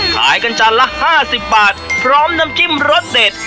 ขายกันจานละ๕๐บาทพร้อมน้ำจิ้มรสเด็ด